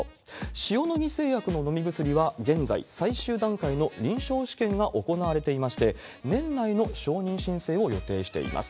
塩野義製薬の飲み薬は、現在、最終段階の臨床試験が行われていまして、年内の承認申請を予定しています。